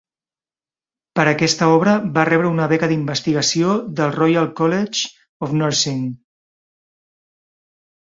Per aquesta obra va rebre una beca d'investigació del Royal College of Nursing.